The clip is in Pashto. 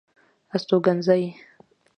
استوګنځي